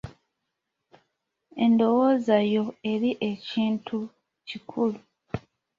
Endowooza yo eri ekintu kikulu.